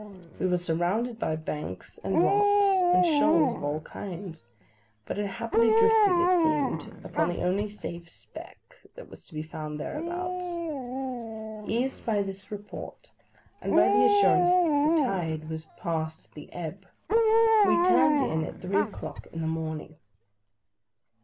We were surrounded by banks, and rocks, and shoals of all kinds, but had happily drifted, it seemed, upon the only safe speck that was to be found thereabouts. Eased by this report, and by the assurance that the tide was past the ebb, we turned in at three o'clock in the morning.